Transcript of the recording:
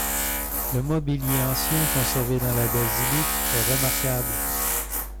Le mobilier ancien conservé dans la basilique est remarquable.